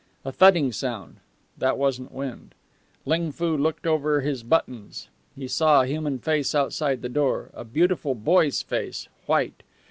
A thudding sound that wasn't the wind. Ling Foo looked over his buttons. He saw a human face outside the door; a beautiful boy's face white.